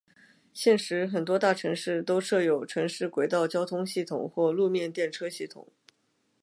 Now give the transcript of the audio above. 现时很多大城市都设有城市轨道交通系统或路面电车系统。